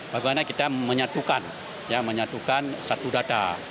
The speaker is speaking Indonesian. bagaimana kita menyatukan menyatukan satu data